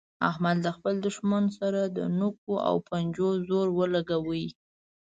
احمد له خپل دوښمن سره د نوکو او پنجو زور ولګاوو.